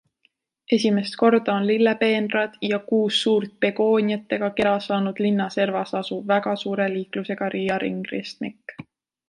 Esimest korda on lillepeenrad ja kuus suurt begooniatega kera saanud linna servas asuv väga suure liiklusega Riia ringristmik.